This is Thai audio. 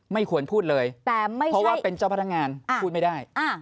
ไม่ควรพูดเลยเพราะว่าเป็นเจ้าพนักงานพูดไม่ได้